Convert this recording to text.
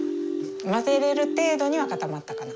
混ぜれる程度には固まったかな。